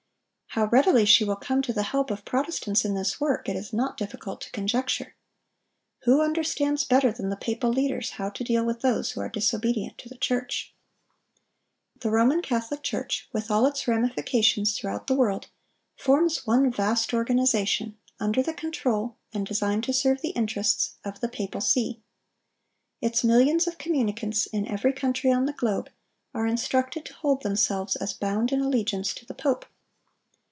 How readily she will come to the help of Protestants in this work, it is not difficult to conjecture. Who understands better than the papal leaders how to deal with those who are disobedient to the church? The Roman Catholic Church, with all its ramifications throughout the world, forms one vast organization, under the control, and designed to serve the interests, of the papal see. Its millions of communicants, in every country on the globe, are instructed to hold themselves as bound in allegiance to the pope.